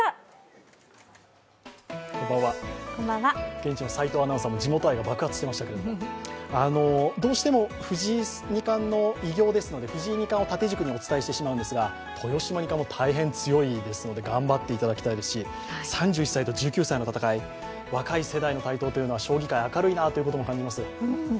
現地の斉藤アナウンサーも地元愛が爆発していましたけどどうしても藤井二冠の偉業ですので藤井二冠を縦軸にお伝えしてしまうんですが、豊島二冠もお強いですので頑張っていただきたいですし、３１歳と１９歳の戦い若い世代の台頭というのは、将棋界明るいなということも感じます。